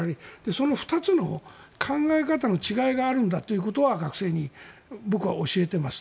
その２つの考え方の違いがあるんだということは学生に僕は教えています。